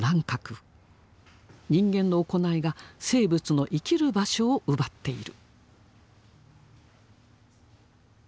人間の行いが生物の生きる場所を奪っている。